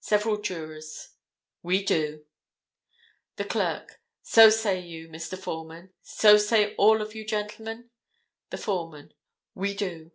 Several jurors—We do. The clerk—So say you, Mr. Foreman; so say all of you, gentlemen? The foreman—We do.